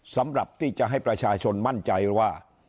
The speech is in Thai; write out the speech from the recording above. สำหรับที่จะให้ประชาชนมั่นใจว่า